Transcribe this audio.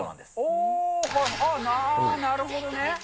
ああ、なるほどね。